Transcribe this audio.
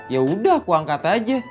ya udah aku angkat aja